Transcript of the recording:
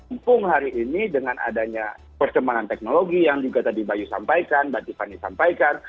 mumpung hari ini dengan adanya perkembangan teknologi yang juga tadi bayu sampaikan mbak tiffany sampaikan